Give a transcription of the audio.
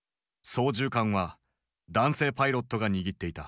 操縦桿は男性パイロットが握っていた。